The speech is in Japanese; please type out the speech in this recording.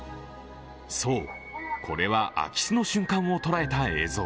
そう、これは空き巣の瞬間を捉えた映像。